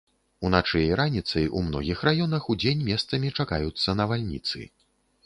Уначы і раніцай у многіх раёнах, удзень месцамі чакаюцца навальніцы.